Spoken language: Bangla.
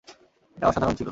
এটা অসাধারণ ছিল!